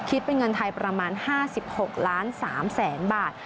คิดเป็นเงินไทยประมาณ๕๖๓๐๐๐๐๐บาท